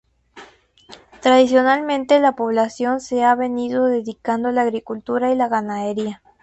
Tradicionalmente la población se ha venido dedicando a la agricultura y la ganadería.